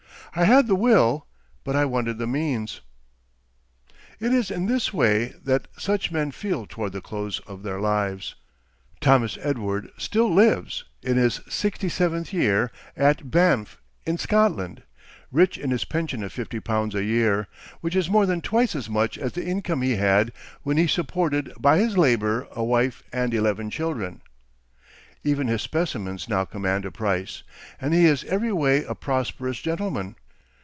I had the will, but I wanted the means." It is in this way that such men feel toward the close of their lives. Thomas Edward still lives, in his sixty seventh year, at Banff, in Scotland, rich in his pension of fifty pounds a year, which is more than twice as much as the income he had when he supported by his labor a wife and eleven children. Even his specimens now command a price, and he is every way a prosperous gentleman.